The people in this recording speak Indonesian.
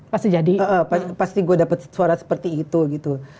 pasti jadi pasti gue dapet suara seperti itu gitu